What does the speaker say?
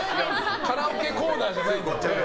カラオケコーナーじゃないので。